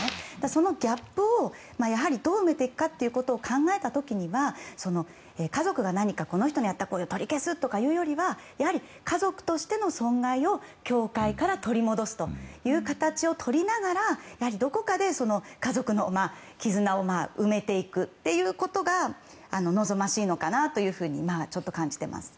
そのギャップをどう埋めていくかを考えた時には家族が何かこの人のやった行為を取り消すというよりはやはり家族としての損害を教会から取り戻すという形をとりながらやはりどこかで家族の絆を埋めていくということが望ましいのかなというふうに感じています。